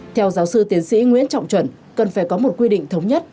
theo giáo sư tiến sĩ nguyễn trọng chuẩn cần phải có một quy định thống nhất